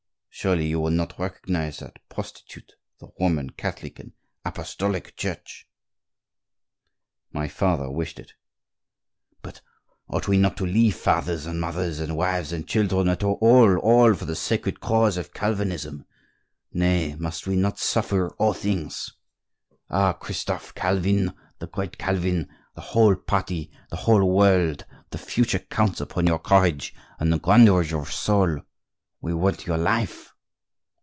Surely you will not recognize that prostitute, the Roman, Catholic, and apostolic Church?" "My father wished it." "But ought we not to leave fathers and mothers and wives and children, all, all, for the sacred cause of Calvinism; nay, must we not suffer all things? Ah! Christophe, Calvin, the great Calvin, the whole party, the whole world, the Future counts upon your courage and the grandeur of your soul. We want your life."